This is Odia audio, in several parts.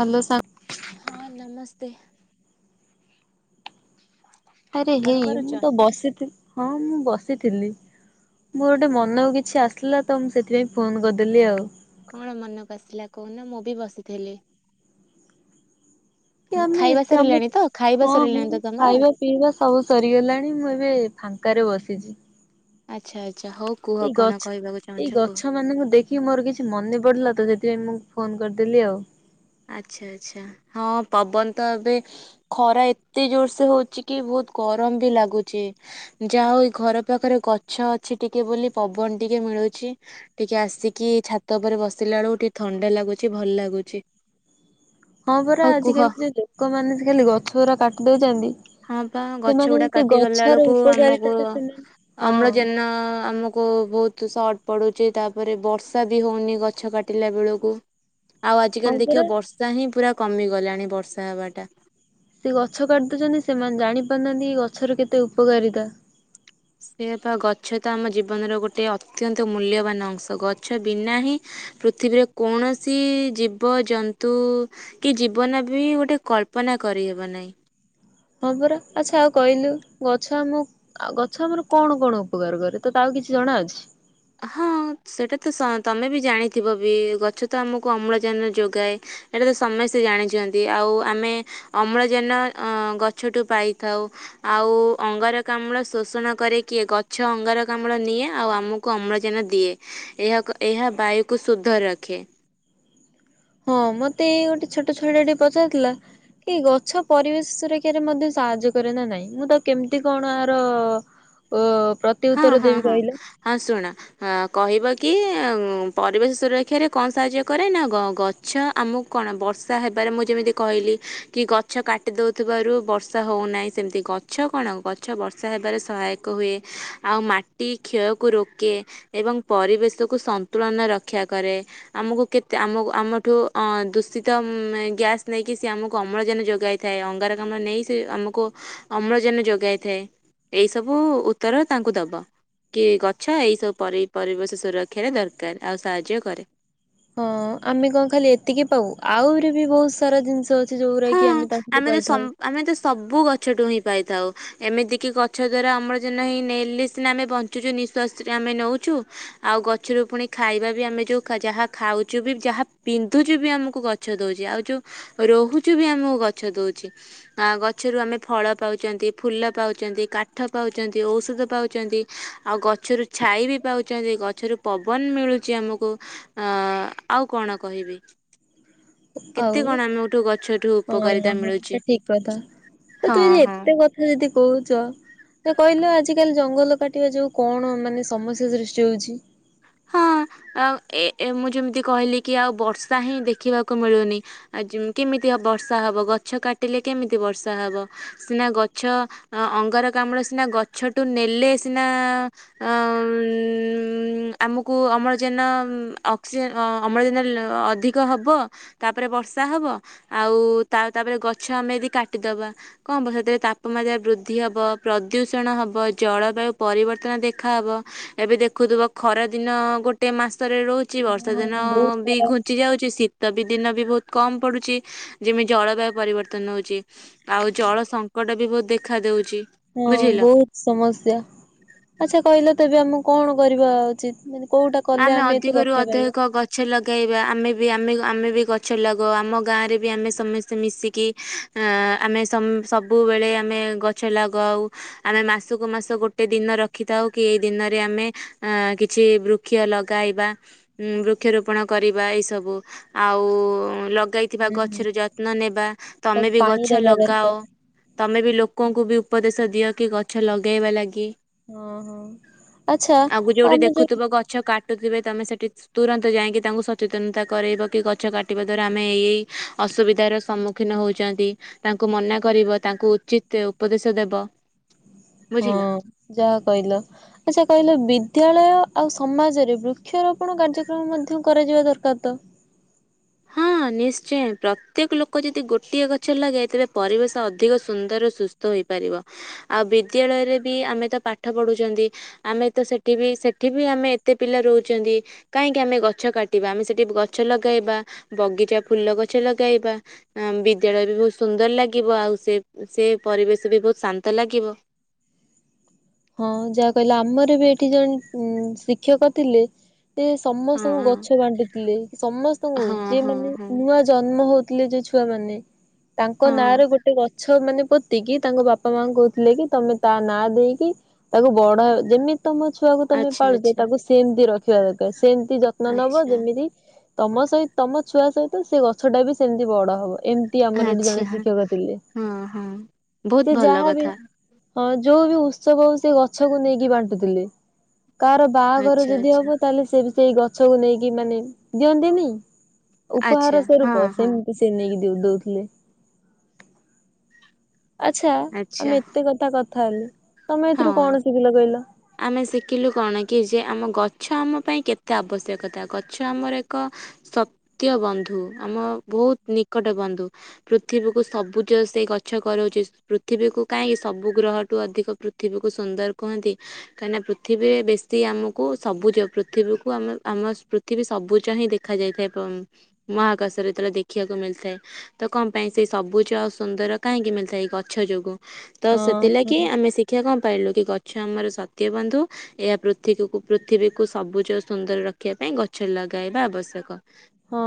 ହ୍ୟାଲୋ ସା ହଁ ନମସ୍ତେ। ଆରେ କଣ ହେଇ କରୁଛ? ମୁଁ ତ ବସିଥିଲି ହଁ ମୁଁ ବସିଥିଲି। ମୋର ଗୋଟେ ମନକୁ କିଛି ଆସିଲା ତ ମୁଁ ସେଥିପାଇଁ ଫୋନ୍ କରିଦେଲି ଆଉ। କଣ ମନକୁ ଆସିଲା କହୁନ ମୁଁ ବି ବସିଥିଲି। କି ଆମେ ଖାଇବା ଏତେ ଆମ ସରିଲାଣି ତ ଖାଇବା ହଁ ସରିଲାଣି ହଁ ତ ତମର? ଖାଇବା ପିଇବା ସବୁ ସରିଗଲାଣି ମୁଁ ଏବେ ଫାଙ୍କାରେ ବସିଚି। ଆଚ୍ଛା, ଆଚ୍ଛା ହଉ କୁହ ଏଇ କଣ ଗଛ କହିବାକୁ ଏଇ ଚାହୁଁଛ କୁହ? ଗଛ ମାନଙ୍କୁ ଦେଖି କି ମୋର କିଛି ମନେ ପଡିଲା ତ ସେଥିପାଇଁ ମୁଁ ଫୋନ କରିଦେଲି ଆଉ। ଆଚ୍ଛା ଆଚ୍ଛା ହଁ ପବନ ତ ଏବେ ଖରା ଏତେ ଜୋର ସେ ହଉଚି କି ବହୁତ ଗରମ ବି ଲାଗୁଚି। ଯାହା ହଉ ଘର ପାଖରେ ଗଛ ଅଛି ଟିକେ ବୋଲି ପବନ ଟିକେ ମିଳୁଛି। ଟିକେ ଆସିକି ଛାତ ଉପରେ ବସିଲା ବେଳକୁ ଟିକେ ଥଣ୍ଡା ଲାଗୁଚି ଭଲ ଲାଗୁଚି। ହଁ ପରା ଆଜିକାଲି ଯୋ ଲୋକମାନେ ଖାଲି ଗଛ ଗୁରା କାଟି ଦଉଚନ୍ତି। ହଁ ବା ଗଛ ଗୁଡା କାଟି ଗଲା ବେଳକୁ ଉପକାରିତା ଆମକୁ ଟା ସେମାନେ ହଁ ଅମ୍ଳଜନ ଆମକୁ କ ବହୁତ ସର୍ଟ ପଡ଼ୁଚି ତାପରେ ବର୍ଷା ବି ହେଉନି ଗଛ କାଟିଲା ବେଳକୁ। ଆଉ ହଁ ଆଜିକାଲି ପରା ଦେଖିବ ବର୍ଷା ହିଁ ପୁରା କମିଗଲାଣି ବର୍ଷା ହବାଟା। ସେ ଗଛ କାଟିଦଉଚନ୍ତି ସେମାନେ ଜାଣିପାରୁନାହାନ୍ତି ଏ ଗଛର କେତେ ଉପକାରିତା। ସେଆ ପା ଗଛ ତ ଆମ ଜୀବନର ଗୋଟେ ଅତ୍ୟନ୍ତ ମୂଲ୍ୟବାନ ଅଂଶ। ଗଛ ବିନା ହିଁ ପୃଥିବୀରେ କୌଣସି ଜୀବ ଜନ୍ତୁ କି ଜୀବନ ବି ଗୋଟେ କଳ୍ପନା କରିହବ ନାହିଁ। ହଁ ପରା ଆଚ୍ଛା ଆଉ କହିଲୁ ଗଛ ଆମ ଆଉ ଗଛ ଆମର କଣ କଣ ଉପକାର କରେ ତ ତା ଆଉ କିଛି ଜଣାଅଛି? ହଁ ସେଇଟା ତ ସ ତମେ ବି ଜାଣିଥିବ ବି ଗଛ ତ ଆମକୁ ଅମ୍ଳଜାନ ଯୋଗାଏ। ଏଇଟା ତ ସମସ୍ତେ ଜାଣିଚନ୍ତି। ଆଉ ଆମେ ଅମ୍ଳଜାନ ଅ ଗଛଠୁ ପାଇଥାଉ। ଆଉ ଅଙ୍ଗାରକାମ୍ଳ ଶୋଷଣ କରେ କିଏ ଗଛ ଅଙ୍ଗରକାମ୍ଳ ନିଏ ଆଉ ଆମୁକୁ କୁ ଅମ୍ଳଜାନ ଦିଏ ଏହାକୁ ଏହା ବାୟୁକୁ ଶୁଧ ରଖେ। ହଁ ମତେ ଏଇ ଗୋଟେ ଛୋଟ ଛୁଆଟା ଟିକେ ପଚାରୁଥିଲା ଏ ଗଛ ପରିବେଶ ସୁରକ୍ଷାରେ ମଧ୍ୟ ସାହାଯ୍ୟ କରେ ନା ନାଇଁ, ମୁଁ ତାକୁ କେମିତି କଣ ଆର କଁ ହଁ ପ୍ରତିଉତ୍ତର ହଁ ଦେବି ହଁ କହିଲେ? ହଁ ଶୁଣ ହଁ କହିବ କି ପରିବେଶ ସୁରାକ୍ଷରେ କଣ ସାହାଯ୍ୟ କରେ ନା ଗ-ଗଛ୍ ଛ ଆମକୁ କଣ ବର୍ଷା ହେବାରେ ମୁଁ ଯେମିତି କହିଲି କି ଗଛ କାଟି ଦଉଥିବାରୁ ବର୍ଷା ହଉନାଇଁ। ସେମିତି ଗଛ କଣ ଗଛ ବର୍ଷା ହେବାରେ ସହାୟକ ହୁଏ। ଆଉ ମାଟି କ୍ଷୟକୁ ରୋକେ ଏବଂ ପରିବେଶକୁ ସନ୍ତୁଳନ ରକ୍ଷା କରେ। ଆମକୁ କେତେ ଆମ ଆମଠୁ ଅଁ ଦୂଷିତ ଗ୍ୟାସ ନେଇକି ସିଏ ଆମକୁ ଅମ୍ଳଜାନ ଯୋଗାଇ ଥାଏ ଅଙ୍ଗାରକାମ୍ଲ ନେଇ ସେ ଆମକୁ ଅମ୍ଳଜାନ ଯୋଗାଇଥାଏ ଏଇ ସବୁ ଉତ୍ତର ତାଙ୍କୁ ଦବ କି ଗଛ ଏଇ ସବୁ ପରେ-ପରିବେଶ ସୁରକ୍ଷାରେ ଦରକାର ଆଉ ସାହାଯ୍ୟ କରେ। ହଁ ଆମେ କଣ ଖାଲି ଏତିକି ପାଉ ଆହୁରି ବି ବହୁତ୍ ସାରା ଜିନିଷ ଅଛ୍ ସେ ଯୋଉରା ହଁ କି ଆମେ ତାଠୁ ତ ସମ୍ ପାଇଥାଉ ଆମେ ତ ସବୁ ଗଛଠୁ ହିଁ ପାଇଥାଉ। ଏମିତି କିି ଗଛ ଦ୍ଵାରା ଅମ୍ଲଜାନ ହିଁ ନେଲେ ସିନା ଆମେ ବଞ୍ଚୁଚୁ ନିଃଶ୍ୱାସରେ ଆମେ ନଉଚୁ। ଆଉ ଗଛୁରୁ ପୁଣି ଖାଇବା ବି ଆମେ ଯୋଉ ଖା-ଯାହା ଖାଉଚୁ ବି ଯାହା ପିନ୍ଧୁଚୁ ବି ଆମକୁ ଗଛ୍ ଛ ଦଉଚି ଆଉ ଯୋଉ ରହୁଚୁ ବି ଆମୁକୁ ଗଛ ଦଉଚି। ଆଁ ଗଛୁରୁ ଆମେ ଫଳ ପାଉଚନ୍ତି ଫୁଲ ପାଉଚନ୍ତି କାଠ ପାଉଚନ୍ତି ଔଷଧ ପାଉଚନ୍ତି। ଆଉ ଗଛୁରୁ ଛାଇ ବି ପାଉଚନ୍ତି ଗଛୁରୁ ପବନ ମିଳୁଚି ଆମୁକୁ। ଆଁ ଆଉ କଣ କହିବି, କେତେ ଆଉ କଣ ଆମେ ଗୋଟେ ଗଛରୁ ହଁ ହଁ ସେ ଠିକ୍ କଥା। ଆ ହଁ ତୁ ଯଦି ହଁ ଏତେ କଥା ଯଦି କହୁଚ ତ କହିଲେ ଆଜିିକାଲି ଜଙ୍ଗଲ କାଟିବା ଯୋଗୁ କଣ ମାନେ ସମସ୍ୟା ସୃଷ୍ଟି ହଉଚି? ହଁ ଆ ଏ-ଏ ମୁଁ ଯେମିତି କହିଲି କି ଆଉ ବର୍ଷା ହିଁ ଦେଖିବାକୁ ମିଳୁନି ଆ ଯୋଁ କେମିତି ଆ ବର୍ଷା ହବ ଗଛ କାଟିଲେ କେମିତି ବର୍ଷା ହବ। ସିନା ଗଛ ଅଙ୍ଗାରକାମ୍ଲ ସିନା ଗଛଠୁ ନେଲେ ସିନା ଆମମମ ଆମୁକୁ ଅମ୍ଳଜାନ ଅକ୍ସିଜେନ ଅ-ଅମ୍ଳଜାନ ଅଧିକ ହବ। ତାପରେ ବର୍ଷା ହବ ଆଉ ତା ତାପରେ ଗଛ ଆମେ ଯଦି କାଟିଦବା କଣହବ ସେଥିରେ ତାପମାତ୍ରା ବୃଦ୍ଧି ହବ ପ୍ରଦୂଷଣ ହବ ଜଳବାୟୁ ପରିବର୍ତ୍ତନ ଦେଖାହେବ। ଏବେ ଦେଖୁଥୁବ ଖରା ଦିନ ଗୋଟେ ମାସରେ ରହୁଚି ହଁ ବର୍ଷା ହଁ ଦିନ ବହୁତ ବି ଖରା ହଉଛି। ଘୁଞ୍ଚି ଯାଉଚି ଶୀତ୍ ତ ବି ଦିନ ବି ବହୁତ୍ କମ ପଡୁଚି ଯେମିତି ଜଳବାୟୁ ପରିବର୍ତ୍ତନ ହଉଚି। ଆଉ ଜଳ ସଙ୍କଟ ବି ବହୁତ୍ ଦେଖା ଦଉଚି। ହଁ ବହୁତ୍ ସମସ୍ୟା ଆଚ୍ଛା କହିଲ ତେବେ ଆମୁକୁ କଣ କରିବା ଉଚିତ ମାନେ କୋଉଟା କଲେ ଆମେ ଏଥୁରୁ ଅଧିକରୁ ରକ୍ଷା ପାଇବା? ଅଧିକ ଗଛ ଲଗେଇବା ଆମେ ବି ଆମେ ଆମେ ବି ଗଛ ଲଗଉ ଆମ ଗାଁରେ ବି ଆମେ ସମେସ୍ତେ ମିଶିକି ଆଁ ଆମେ ସମ୍-ସବୁବେଳେ ଆମେ ଗଛ ଲାଗଉ ଆମେ ମାସୁକୁ ମାସ ଗୋଟେ ଦିନ ରଖିଥାଉ କି ଏଇ ଦିନରେ ଆମେ ଆଁ କିଛି ବୃ କ୍ଷ ଲଗାଇବା ବୃକ୍ଷରୋପଣ କରିବା ଏସବୁ। ଆଉ ଲଗାଇ ଥିବା ହୁଁ ହୁଁ। ଗଛର ଯତ୍ନ ନେବା ତମେ ତାକୁ ବି ପାଣି ଗଛ ଦବା ଲଗାଅ। ଦରକାର ତମେ ବି ଲୋକଙ୍କୁ ବି ଉପଦେଶ ଦିଅ କି ଗଛ ଲଗାଇବା ଲାଗି। ଓହୋ ଆଚ୍ଛା ଆମେ ଯୋଉ ଛ କାଟୁଥିବେ ତମେ ସେଠି ତୁରନ୍ତ ଯାଇକି ତାଙ୍କୁ ସଚେତନତା କରରୋଇବ କି, ଗଛ କାଟିବା ଦ୍ଵାରା ଆମେ ଏଇ ଏଇ ଅସୁବିଧାର ସମ୍ମୁ ଖୀନ ହଉଛନ୍ତି। ତାଙ୍କୁ ମନା କରିବ ତାଙ୍କୁ ଉଚିତ ଉପଦେଶ ଦେବ। ହଁ, ବୁଝିଲ। ଯାହା କହିଲ। ଆଚ୍ଛା କହିଲେ ବିଦ୍ୟାଳୟ ଆଉ ସମାଜରେ ବୃକ୍ଷରୋପଣ କାର୍ଯ୍ୟକ୍ରମ ମଧ୍ୟ କରାଯିବା ଦରକାର ତ। ହଁ, ନିଶ୍ଚୟ। ପ୍ରତ୍ୟେକ ଲୋକ ଯଦି ଗୋଟିଏ ଗଛ ଲଗାଏ, ତେବେ ପରିବେଶ ଅଧିକ ସୁନ୍ଦର, ସୁସ୍ଥ ହେଇପାରିବ। ଆଉ ବିଦ୍ୟାଳୟରେ ବି ଆମେ ତ ପାଠ ପଢ଼ୁଛନ୍ତି। ଆମେ ତ ସେଠି ବି ସେଠି ବି ଆମେ ଏତେ ପିଲା ରହୁଛନ୍ତି। କାହିଁକି ଆମେ ଗଛ କାଟିବା? ଆମେ ସେଠି ଗଛ ଲଗେଇବା। ବଗିଚା ଫୁଲ ଗଛ ଲଗେଇବା ଆ ବିଦ୍ୟାଳୟ ବି ବହୁତ ସୁନ୍ଦର ଲାଗିବ ଆଉ ସେ ସେ ପରିବେଶ ବି ବହୁତ ଶାନ୍ତ ଲାଗିବ। ହଁ, ଯାହା କହିଲ। ଆମର ବି ଏଠି ଜଣେ ଉ ଶିକ୍ଷକ ଥିଲେ ସେ ହଁ ସମସ୍ତଙ୍କୁ ଗଛ ବାଣ୍ଟୁଥିଲେ, ସମସ୍ତଙ୍କୁ ହଁ ଯିଏ ହଁ ମାନେ ହଁ ନୂଆ ଜନ୍ମ ହଉଥିଲେ ଯୋଉ ଛୁଆମାନେ। ତାଙ୍କ ହଁ ନାଁରେ ଗୋଟେ ଗଛ ମାନେ ପୋତିକି, ତାଙ୍କ ବାପା ମାଙ୍କୁ କହୁଥିଲେ କି ତମେ ତା ନା ଦେଇକି ତାକୁ ବଡ଼, ଯେମିତି ତମ ଛୁଆକୁ ତମେ ଆଚ୍ଛା ପାଳୁଛ ଆଚ୍ଛା ତାକୁ ସେମିତି ରଖି ରଖିବା ଦରକାର। ସେମିତି ଯତ୍ନ ନବ ଆଚ୍ଛା ଯେମିତି ତମ ସହିତ ତମ ଛୁଆ ସହିତ ସେ ଗଛଟା ବି ସେମିତି ବଡ ହବ। ଏମି ତି ଆମର ଏଠି ଆଚ୍ଛା ଜଣେ ଶିକ୍ଷକ ଥିଲେ। ହଁ ହଁ ବହୁତ ସେ ଭଲ ଯାହା ବି କଥା ହଁ ଯୋଉ ବି ଉତ୍ସବ ହଉ ସେ ଗଛକୁ ନେଇକି ବାଣ୍ଟୁଥିଲେ। କାହାର ବାହାଘର ଆଚ୍ଛା ଯଦି ଆଚ୍ଛା ହବ, ତାହେଲେ ସିଏ ବି ସେଇ ଗଛକୁ ନେଇକି ମାନେ ଦିଅନ୍ତିନି ଆଚ୍ଛା ଉପହାର ହଁ ସ୍ୱରୂପ, ହଁ ସେମିତି ସେ ନେଇକି ଦଉଥିଲେ। ଆଚ୍ଛା ଆଚ୍ଛା ଆମେ ଏତେ କଥା କଥା ହେଲୁ, ତମେ ହଁ ଏଥିରୁ କଣ ଶିଖିଲ କହିଲ? ଆମେ ଶିଖିଲୁ କଣ କି ଯେ, ଆମ ଗଛ ଆମ ପାଇଁ କେତେ ଆବଶ୍ୟକତା, ଗଛ ଆମର ଏକ ସତ୍ୟ ବନ୍ଧୁ, ଆମ ବହୁତ ନିକଟ ବନ୍ଧୁ। ପୃଥିବୀକୁ ସବୁଜ ସେଇ ଗଛ କରଉଛି, ପୃଥିବୀକୁ କାହିଁକି ସବୁ ଗ୍ରହଠୁ ଅଧିକ ପୃଥିବୀକୁ ସୁନ୍ଦର କୁହନ୍ତି? କାହିଁକି ନା ପୃଥିବୀରେ ବେଶୀ ଆମକୁ ସବୁଜ, ପୃଥିବୀକୁ ଆମ ଆମ ପୃଥିବୀ ସବୁଜ ହିଁ ଦେଖା ଯାଇଥାଏ। ମହାକାଶରେ ଯେତେବେଳେ ଦେଖିବାକୁ ମିଳିଥାଏ। ତ କଣ ପାଇଁ ସେଇ ସବୁଜ ଆଉ ସୁନ୍ଦର କାହିଁକି ମିଳିଥାଏ? ଏଇ ଗଛ ଯୋଗୁଁ। ତ ହଁ ସେଥିଲାଗି ହଁ। ଆମେ ଶିକ୍ଷା କଣ ପାଇଲୁ, କି ଗଛ ଆମର ସତ୍ୟ ବନ୍ଧୁ ଏହା ପୃଥିବୀକୁ-ପୃଥିବୀକୁ ସବୁଜ ଓ ସୁନ୍ଦର ରଖିବା ପାଇଁ ଗଛ ଲଗାଇବା ଆବଶ୍ୟକ। ହଁ,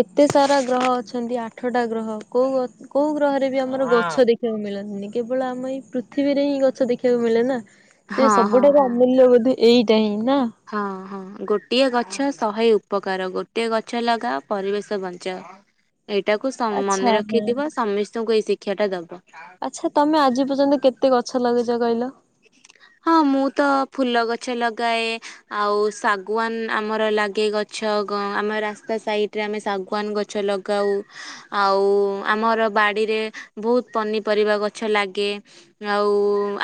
ଏତେ ସାରା ଗ୍ରହ ଅଛନ୍ତି, ଆଠଟା ଗ୍ରହ। କୋଉ ଗ୍ର କୋଉ ଗ୍ରହରେ ବି ଆମର ହଁ। ଗଛ ଦେଖି ବାକୁ ମିଳନ୍ତିନି। କେବଳ ଆମ ଏଇ ପୃଥିବୀରେ ହିଁ ଗଛ ଦେଖିବାକୁ ମିଳେ ନା। ସେ ହଁ ହଁ ସବୁଠାରୁ ହଁ ଅମୂଲ୍ୟବୋଧ ଏଇଟା ହିଁ। ନା? ହଁ ହଁ, ଗୋଟିଏ ଗଛ ଶହେ ଉପକାର। ଗୋଟିଏ ଗଛ ଲଗାଅ ପରିବେଶ ବଞ୍ଚାଅ। [inaudible] ଏଇଟାକୁ ସ ଆଚ୍ଛା ମନେ ହଁ। ରଖିଥିବ, ସମସ୍ତଙ୍କୁ ଏଇ ଶିକ୍ଷା ଟା ଦବ। ଆଚ୍ଛା ତମେ ଆଜି ପର୍ଯ୍ୟନ୍ତ କେତେ ଗଛ ଲଗେଇଛ କହିଲ? ହଁ, ମୁଁ ତ ଫୁଲ ଗଛ ଲଗାଏ ଆଉ ଶାଗୁଆାନ ଆମର ଲାଗେ ଗଛ, ଆମ ରାସ୍ତା ସାଇଡରେ ଆମେ ଶାଗୁଆାନ ଗଛ ଲଗାଉ। ଆଉ ଆମର ବାଡିରେ ବହୁତ ପନିପରିବା ଗଛ ଲାଗେ। ଆଉ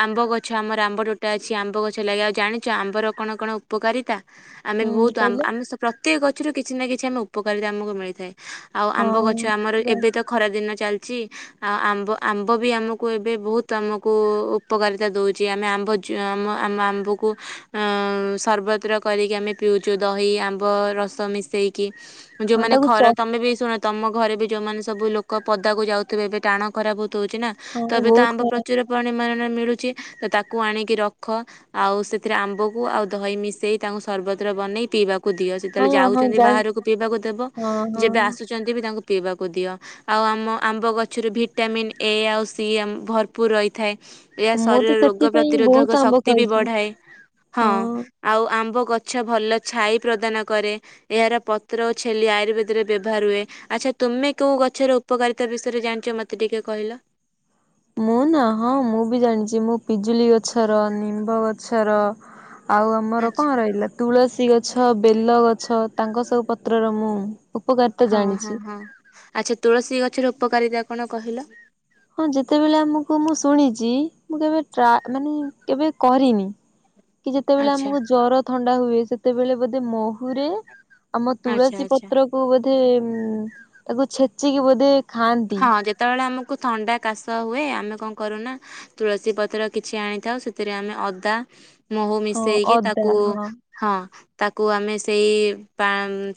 ଆମ୍ବ ଗ ଛ ଆମର ଆମ୍ବତୋଟା ଅଛି ଆମ୍ବ ଗଛ ଲାଗେ। ଆଉ ଜାଣିଛ ଆମ୍ବର କଣ କଣ ଉପକାରିତା? ଆମେ ହୁଁ ବହୁତ କହିଲ? ଆମେ ପ୍ରତ୍ୟେକ ଗଛରୁ କିଛି ନା କିଛି ଆମେ ଉପକାରିତା ଆମକୁ ମିଳିଥାଏ। ଆଉ ଆମ୍ବ ହଁ ଗଛ ଆମର ଏବେ ଜାଣି ତ ଖରା ଦିନ ଚାଲି ଚି ଆଉ ଆମ୍ବ ଆମ୍ବ ବି ଆମକୁ ଏବେ ବହୁତ ଆମକୁ ଉପକାରିତା ଦଉ ଚି ଆମେ ଆମ୍ୱ ଚ ଆମ ଆମ୍ବକୁ ଆଁ ସର୍ବତ୍ର କରିକି ଆମେ ପିଉଛୁ ଦହି ଆମ୍ବ ରସ ମିଶେଇକି ହଁ ଯୋଉମାନେ ତାକୁ ଚ ଖର ତମେ ବି ଶୁଣ ତମ ଘରେ ବି ଯୋଉମାନେ ସବୁ ଲୋକ ପଦାକୁ ଯାଉଥିବେ ଏବେ ଟାଣ ଖରା ବହୁତ ହଉଛି ନା। ହଁ ତବେ ତ ବହୁତ ଆମ୍ବ ଖରାପ ପ୍ରଚୁର ପରିମାଣରେ ମିଳୁଛି ତ ତାକୁ ଆଣିକି ରଖ। ଆଉ ସେଥିରେ ଆମ୍ବକୁ ଆଉ ଦହି ମିଶେଇ ତାଙ୍କୁ ସର୍ବତ ବନେଇ ପିଇବାକୁ କୁ ଦିଅ ସେତେବେଳେ ହଁ ହଁ ଯାଉଛନ୍ତି ଜାଣି ବାହାରକୁ ପିଇବାକୁ ଦବ ହଁ ଯେବେ ହଁ ଆସୁଛନ୍ତି ବି ତାଙ୍କୁ ପିଇବାକୁ ଦିଅ। ଆଉ ଆମ ଆମ୍ବ ଗଛରେ ଭିଟାମିନ୍ ଏ ଆଉ ସି ଆମ୍ ଭରପୁର ରହିଥାଏ। ମୁଁ ଶରୀରର ତ ରୋଗ ସେଥିପାଇଁ ବହୁତ ପ୍ରତିରୋଧକ ଆମ୍ବ ଶକ୍ତି ବି ଖାଉଛି ବଢାଏ ହଁ। ଆଉ ଆମ୍ବ ଗଛ ଭଲ ଛାଇ ପ୍ରଦାନ କରେ। ଏହାର ପତ୍ର ଓ ଛେଲି ଆୟୁର୍ବେଦରେ ବ୍ୟବହାର ହୁଏ। ଆଚ୍ଛା ତୁମେ କୋଉ ଗଛର ଉପକାରିତା ବିଷୟରେ ଜାଣିଛ ମୋତେ ଟିକେ କହିଲ? ମୁଁ ନା ହଁ ମୁଁ ବି ଜାଣିଛି ମୁଁ ପିଜୁଳି ଗଛର ନିମ୍ବ ଗଛର ଆଉ ଆମର କଣ ଆଚ୍ଛା ରହିଲା ତୁଳସୀ ଗଛ ବେଲ ଗଛ ତାଙ୍କ ସବୁ ପତ୍ରର ମୁଁ ଉପକାରିତା ହଁ ହଁ ଜାଣିଛି। ହଁ। ଆଚ୍ଛା ତୁଳସୀ ଗଛର ଉପକାରିତା କଣ କହିଲ? ହଁ ଯେତେବେଳେ ଆମକୁ ମୁଁ ଶୁଣିଛି ମୁଁ କେବେ ଟ୍ରା ମାନେ କେବେ କରିନି। କି ଯେତେବେଳେ ଆଚ୍ଛା ଆମକୁ ଜର ଥଣ୍ଡା ହୁଏ ସେତେବେଳେ ବୋଧେ ମହୁ ହୁରେ ଆମ ଆଚ୍ଛା ତୁଳସୀ ଆଚ୍ଛା। ପତ୍ରକୁ ବୋଧେ ଉ ତାକୁ ଛେଚିକି ବୋଧେ ଖାଆନ୍ତି। ହଁ ଯେତେବେଳେ ଆମକୁ ଥଣ୍ଡା କାଶ ହୁଏ ଆମେ କଣ କରୁନା ତୁଳସୀ ପତ୍ର କିଛି ଆଣିଥାଉ ସେଥିରେ ଆମେ ଅଦା ମହୁ ହଁ ମିଶେଇକି ଅଦା ତାକୁ ହଁ ହଁ। ତାକୁ ଆମେ ସେଇ ପା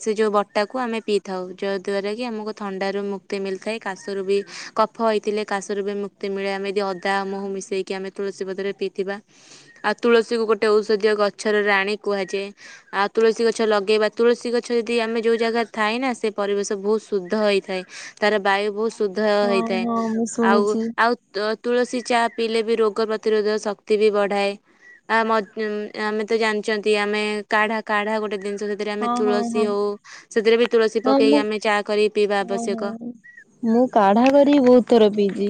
ସେ ଯୋଉ ବଟାକୁ ଆମେ ପିଇଥାଉ ଯଦ୍ଵାରା କି ଆମକୁ ଥଣ୍ଡାରୁ ମୁକ୍ତି କ୍ତି ମିଳିଥାଏ କାଶରୁ ବି କଫ ହେଇଥିଲେ କାଶରୁ ବି ମୁକ୍ତି ମିଳେ ଆମେ ଯଦି ଅଦା ମୁହୁ ମିଶେଇକି ଆମେ ତୁଳସୀ ପତ୍ରରେ ପିଇଥିବା ଆଉ ତୁଳସୀକୁୁ ଗୋଟେ ଔଷଧୀୟ ଗଛରେ ରାଣି କୁହାଯାଏ। ଆଉ ତୁଳସୀ ଗଛ ଲଗେଇବା ତୁଳସୀ ଗଛ ଯଦି ଆମେ ଯୋଉ ଜାଗାରେ ଥାଏ ନା ସେ ପରିବେଶ ବହୁତ ଶୁଦ୍ଧ ହେଇଥାଏ। ତାର ବାୟୁ ବହୁତ ଶୁଦ୍ଧ ହଁ ହେଇଥାଏ ହଁ ମୁଁ ଆଉ ଶୁଣିଛି ଆଉ ତ ତୁଳସୀ ଚା ପିଇଲେ ବି ରୋଗ ପ୍ରତିରୋଧ ଶକ୍ତି ବି ବଢ଼ାଏ। ଆ ମତ ଉ ଆମେ ତ ଜାଣିଛନ୍ତି ଆମେ କାଢା କାଢା ଗୋଟେ ଜିନିଷ ଯ ସେଥିରେ ଆମେ ହଁ ହଁ ତୁଳସୀ ହଁ। ହଉ ସେଥିରେ ବି ତୁଳସୀ ହଁ ମୁଁ ପକେଇକି ଆମେ ଚା କରିକି ପିଇବା ହଁ ହଁ ଆବଶ୍ୟକ। ମୁଁ କାଢା କରିକି ବହୁତ ଥର ପିଇଛି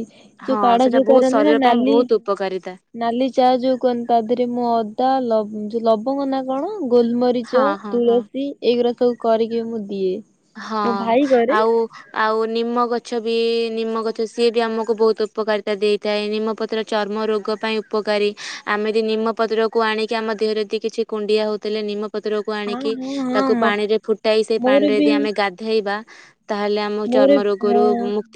ହଁ ଯୋଉ କାଢା ସେଟା ଯୋଉ ବହୁତ କରନ୍ତି ନା ଶରୀର ପାଇଁ ନାଲି ବହୁତ ଉପକାରିତା ନାଲି ଚା ଯୋଉ କହନ୍ତି ତା ଦେହରେ ଏନ୍ ଅଦା ଯୋଉ ଲ ଲବଙ୍ଗ ନା କଣ ହଁ ଗୋଲମରିଚ ହଁ ହଁ। ତୁଳସୀ ଏଇଗୁଡା ସବୁ କରିକି ମୁଁ ଦିଏ। ହଁ ମୋ ଭାଇ କରେ ଆଉ ଆଉ ନିମ ଗଛ ବି ନିମ ଗଛ ସିଏ ବି ଆମକୁ ବହୁତ ଉପକାରିତା ଦିଏ। ଥାଏ ନିମପତ୍ର ଚର୍ମ ରୋଗ ପାଇଁ ଉପକାରୀ ଆମେଦି ନିମପତ୍ରକୁ ଆଣିକି ଆମ ଦେହରେ ଯଦି କିଛି କୁଣ୍ଡିଆ ହଉଥିଲେ ନିମପତ୍ରକୁ ହଁ ଆଣିକି ହଁ ହଁ ତାକୁ ମ ପାଣିରେ ଫୁଟାଇ ସେଇ ପାଣି ମୋର ରେ ବି ଗାଧେଇବା ତାହେଲେ ଆମ ମୋର ଚର୍ମ ହଁ ରୋଗରୁ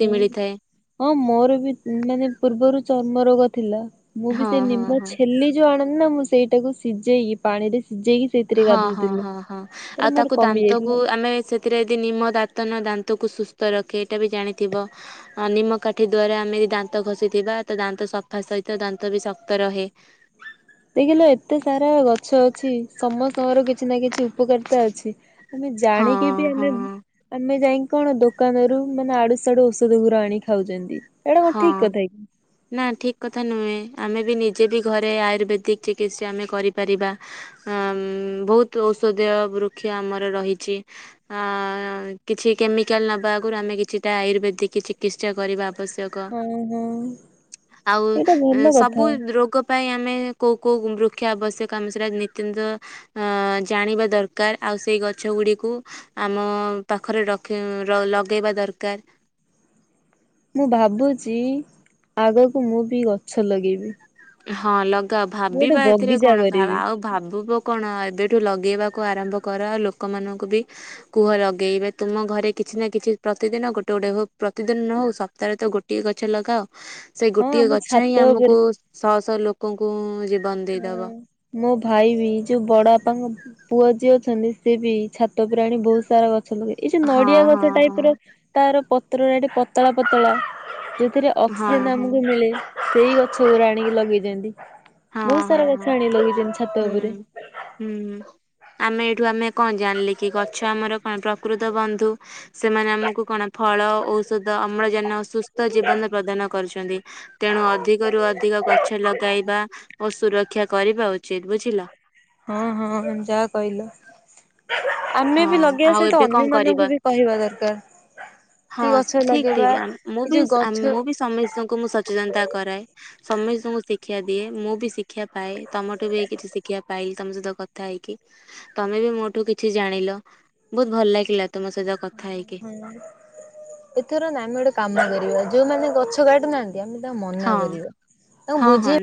ହଁ ମିଳିଥାଏ। ହଁ ମୋର ବି ମାନେ ପୂର୍ବରୁ ଚର୍ମ ରୋଗ ଥିଲା ମୁଁ ବି ହଁ ସେ ହଁ ନିମ୍ ହଁ। ଛେଲି ଯୋଉ ଆଣନ୍ତି ନା ମୁଁ ସେଇଟାକୁ ସିଝେଇକି ପାଣିରେ ସିଝେଇକି ସେଇଥିରେ ହଁ ହଁ ଗାଧଉଥିଲି। ହଁ ହଁ ତାରେ ଆଉ ମୋର ତାକୁ କମି ଯାଇଥିଲା। ଦାନ୍ତକୁ ଆମେ ସେ ରେ [unintelligible] ନିମ ଦାନ୍ତନ ଦାନ୍ତକୁ ସୁସ୍ଥ ରଖେ ଏଇଟା ବି ଜାଣିଥିବ? ଆଁ ନିମକାଠି ଦ୍ଵାରା ଆମେ ଯଦି ଦାନ୍ତ ଘଷିଥିବା ତ ଦାନ୍ତ ସଫା ସହିତ ଦାନ୍ତ ବି ଶକ୍ତ ରହେ। ଦେଖିଲ, ଏତେ ସାରା ଗଛ ଅଛି ସମସ୍ତଙ୍କର କିଛି ନା କିଛି ଉପକାରିତା ଅଛି। ଆମେ ହଁ ଜାଣିକି ବି ହଁ ଆମେ ଆମେ ଯାଇକି କଣ, ଦୋକାନରୁୁ ମାନେ ଆଡୁ ସାଡୁ ଔଷଧ ଗୁରା ଆଣି ଖାଉଛନ୍ତି। ଏଇଟା କଣ ହଁ। ଠିକ କଥା କି? ନା ଠିକ୍ କଥା ନୁହେଁ। ଆମେ ବି ନିଜେ ବି ଘରେ ଆୟୁର୍ବେଦିକ ଚିକିତ୍ସା ଆମେ କରିପାରିବା। ଅଁ, ଉଁ, ବହୁତ ଔଷଧୀୟ ବୃକ୍ଷ ଆମର ରହିଛି। ଅ, କିଛି କେମିକାଲ ନବା ଆଗରୁ ଆମେ କିଛିଟା ଆୟୁର୍ବେଦିକ ଚିକିତ୍ସା କରିବା ଆବଶ୍ୟ କ, ହଁ ହଁ ଆଉ ଏଇଟା ଭଲ ଏଁ, ସବୁ କଥା ରୋଗ ପାଇଁ ଆମେ କୋଉ କୋଉ ବୃକ୍ଷ ଆବଶ୍ୟକ ଆମ ସେଟା ନିତ୍ୟନ୍ତ ଅ, ଜାଣିବା ଦରକାର। ଆଉ ସେଇ ଗଛ ଗୁଡିକୁ ଆମ ପାଖରେ ରଖି ର- ଲଗେଇବା ଦରକାର। ମୁଁ ଭାବୁଛି, ଆଗକୁ ମୁଁ ବି ଗଛ ଲଗେଇବି। ହଁ ଲଗାଅ, ମୁଁ ଗୋଟେ ଭାବିବା ଏଥିରେ ବଗିଚା କଣ? ଭା- କରିବି ଆଉ ଭାବୁବ କଣ ଏବେଠୁ ଲଗେଇବାକୁ ଆରମ୍ଭ କର। ଲୋକମାନଙ୍କୁ ବି କୁହ ଲଗେଇବେ। ତୁମ ଘରେ କିଛି ନା କିଛି ପ୍ରତିଦିନ ଗୋଟେ ଗୋଟେ ହୁ- ପ୍ରତିଦିନ ନ ହଉ ସପ୍ତାହରେ ତ ଗୋ ଟିଏ ଗଛ ଲଗାଅ। ସେଇ ହଁ ଗୋଟିଏ ଆମ ଗଛ ହିଁ ଛାତ ଉପରେ ଆମକୁ ଶହ ଶହ ଲୋକଙ୍କୁ ଜୀବନ ହଁ ଦେଇଦବ। ମୋ ଭାଇ ବି, ଯୋଉ ବଡ ବାପାଙ୍କ ପୁଅ ଯିଏ ଅଛନ୍ତି ସିଏ ବି ଛାତ ଉପରେ ଆଣି ବହୁତ ସାରା ଗଛ ଲଗେଇ ଏଇ ଯୋଉ ହଁ ନଡିଆ ହଁ ଗଛ ଟାଇପ୍ ହଁ। ର ତାର ପତ୍ର ଏଠି ପତଳା ପତଳା ଯୋଉଥିରେ ହଁ ଅକ୍ସିଜେନ୍ ହଁ ଆମକୁ ମିଳେ। ସେଇ ଗଛଗୁରା ଆଣିକି ଲଗେଇଚନ୍ତି, ହଁ ବହୁତ ହଁ ସାରା ହଁ ଗଛ ଆଣିକି ଲଗେଇଚନ୍ତି ଛାତ ଉପରେ। ହୁଁ ହୁଁ, ଆମେ ଏଇଠୁ ଆମେ କଣ ଜାଣିଲେ କି ଗଛ ଆମର କଣ ପ୍ରକୃତ ବନ୍ଧୁ। ସେମାନେ ଆମକୁ କଣ ଫଳ, ଔଷଧ, ଅମ୍ଳଜାନ, ସୁସ୍ଥ ଜୀବନ ପ୍ରଦାନ କରୁଛନ୍ତି। ତେଣୁ ଅଧିକରୁୁ ଅଧିକ ଗଛ ଲଗାଇବା ଓ ସୁରକ୍ଷା କରିବା ଉଚିତ୍। ବୁଝିଲ? ହଁ ହଁ ଯାହା କହିଲ। ଆମେ ହଁ ବି ଲଗେଇବା ଆଉ ସହିତ ଏବେ କଣ ଅନ୍ୟ କରିବା। ମାନଙ୍କୁ ବି କହିବା ଦରକାର। ହଁ କି ଗଛ ଠିକ୍ ଲଗେଇବା ଠିକ୍ ଆମ୍ ମୁଁ ଏଇ ବି ଯୋଉ ଆମ୍ ଗଛ ମୁଁ ବି ସମିସ୍ ସ୍ତଙ୍କୁ ମୁଁ ସଚେତନତା କରାଏ। ସମସ୍ତଙ୍କୁ ଶିକ୍ଷା ଦିଏ। ମୁଁ ବି ଶି କ୍ଷା ପାଏ। ତୋମଠୁ ବି କିଛି ଶିକ୍ଷା ପାଇଲି ତୋମ ସହିତ କଥା ହେଇକି। ତୋମେ ବି ମୋଠୁ କି ଛି ଜାଣିଲ, ବହୁତ ଭଲ ଲାଗିଲା ତୋମ ସହିତ କଥା ହେଇକି ଏଥର ନା ଆମେ ଗୋଟେ କାମ କରିବା। ଯୋଉମାନେ ଗଛ କାଟୁନାହାନ୍ତି ଆମେ ତାଙ୍କୁ ହଁ ମନା କରିବା। ତାଙ୍କୁ ହଁ ବୁଝେ ହଁ